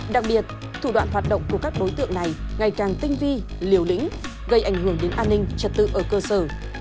đặc biệt thủ đoạn hoạt động của các đối tượng này ngày càng tinh vi liều lĩnh gây ảnh hưởng đến an ninh trật tự ở cơ sở